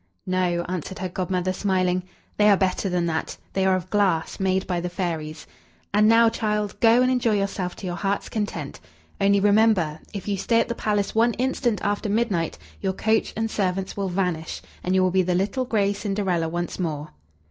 "No," answered her Godmother, smiling; "they are better than that they are of glass, made by the fairies. And now, child, go, and enjoy yourself to your heart's content. Only remember, if you stay at the palace one instant after midnight, your coach and servants will vanish, and you will be the little gray Cinderella once more!"